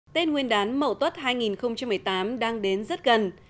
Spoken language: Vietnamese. tết nguyên đán mậu tuất hai nghìn một mươi tám đang đến rất gần